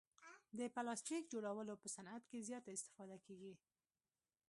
د پلاستیک جوړولو په صعنت کې زیاته استفاده کیږي.